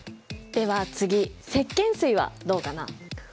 では次石けん水はどうかな？